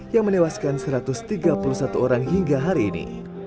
yang menewaskan satu ratus tiga puluh satu orang hingga hari ini